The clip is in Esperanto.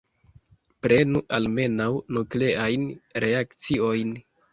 Prenu almenaŭ nukleajn reakciojn.